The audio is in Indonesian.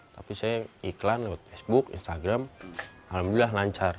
tapi saya iklan lewat facebook instagram alhamdulillah lancar